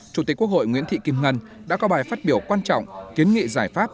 chủ tịch quốc hội nguyễn thị kim ngân đã có bài phát biểu quan trọng kiến nghị giải pháp